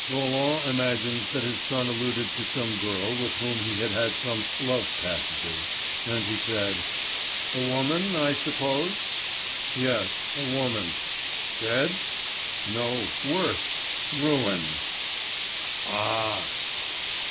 Roland imagined that his son alluded to some girl with whom he had had some love passages, and he said: "A woman, I suppose." "Yes, a woman." "Dead?" "No. Worse. Ruined!" "Ah!"